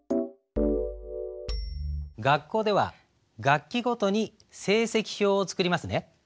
学校では学期ごとに成績表を作りますね。